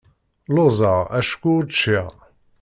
Lluẓeɣ acku ur cciɣ.